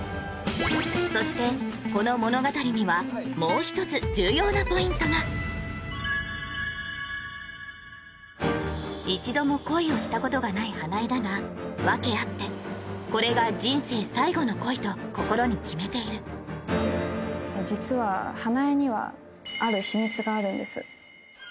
そしてこの物語には一度も恋をしたことがない花枝だが訳あってこれが人生最後の恋と心に決めている実は花枝にはある秘密があるんです